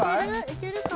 いけるか？